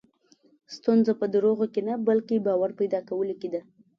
ستونزه په دروغو کې نه، بلکې باور پیدا کولو کې ده.